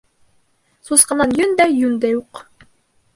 Сусҡанан йөн дә юҡ, йүн дә юҡ.